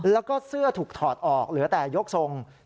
แล้วก็เสื้อถูกถอดออกเหลือแต่ยกทรง